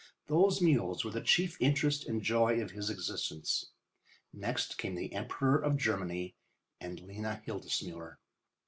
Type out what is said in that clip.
Those mules were the chief interest and joy of his existence. Next came the Emperor of Germany and Lena Hildesmuller.